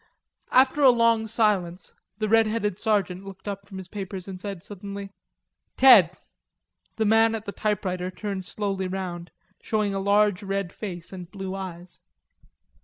After a long silence the red headed sergeant looked up from his papers and said suddenly: "Ted." The man at the typewriter turned slowly round, showing a large red face and blue eyes.